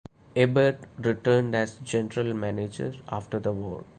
Ebert returned as general manager after the war.